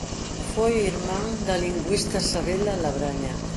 Foi irmán da lingüista Sabela Labraña.